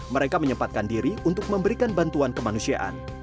mereka menyempatkan diri untuk memberikan bantuan kemanusiaan